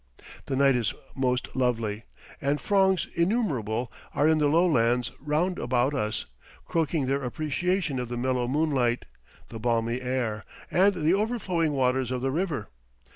The night is most lovely, and frogs innumerable are in the lowlands round about us, croaking their appreciation of the mellow moonlight, the balmy air, and the overflowing waters of the river.